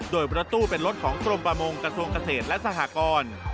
โดยประตูเป็นรถของกรมประมงกระทรวงเกษตรและสหกร